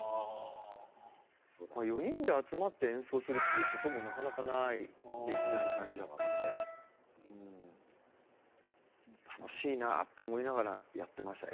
４人で集まって演奏するっていうこともなかなかないできない感じだったので楽しいなって思いながらやってました。